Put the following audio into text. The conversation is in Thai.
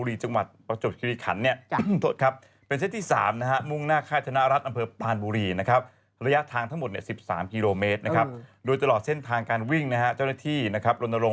วิ่งจากปรันตมันปลาต่อทอนะครับ